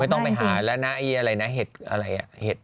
ต้องไปหาแล้วนะไอ้อะไรนะเห็ดอะไรอ่ะเห็ด